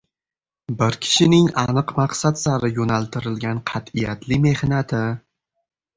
Bir-kishining aniq maqsad sari yo‘naltirilgan qat’iyatli mehnati